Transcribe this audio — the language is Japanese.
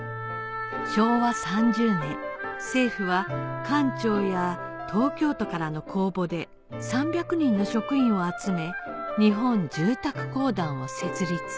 昭和３０年政府は官庁や東京都からの公募で３００人の職員を集め日本住宅公団を設立